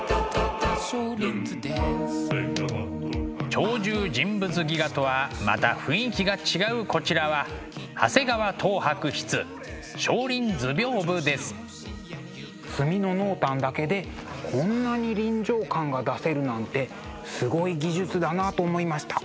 「鳥獣人物戯画」とはまた雰囲気が違うこちらは墨の濃淡だけでこんなに臨場感が出せるなんてすごい技術だなと思いました。